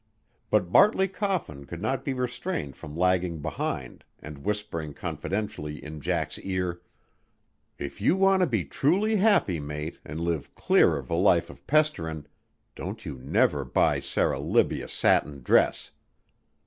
But Bartley Coffin could not be restrained from lagging behind and whispering confidentially in Jack's ear: "If you want to be truly happy, mate, an' live clear of a life of pesterin', don't you never buy Sarah Libbie a satin dress!